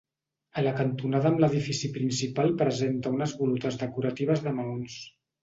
A la cantonada amb l'edifici principal presenta unes volutes decoratives de maons.